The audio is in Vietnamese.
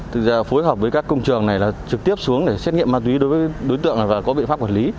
thực ra phối hợp với các công trường này là trực tiếp xuống để xét nghiệm ma túy đối với đối tượng và có biện pháp quản lý